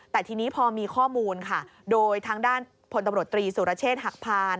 แต่ทีนี้พอมีข้อมูลค่ะโดยทางด้านพลตำรวจตรีสุรเชษฐ์หักพาน